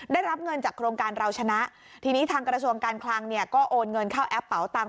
ได้รับเงินจากโครงการเราชนะทีนี้ทางกระทรวงการคลังเนี่ยก็โอนเงินเข้าแอปเป๋าตังค